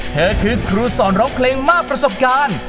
เธอคือครูสอนร้องเพลงมากประสบการณ์